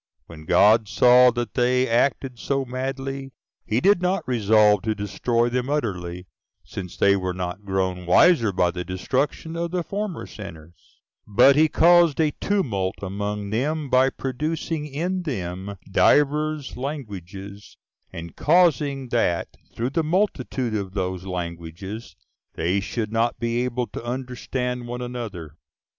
When God saw that they acted so madly, he did not resolve to destroy them utterly, since they were not grown wiser by the destruction of the former sinners; but he caused a tumult among them, by producing in them divers languages, and causing that, through the multitude of those languages, they should not be able to understand one another.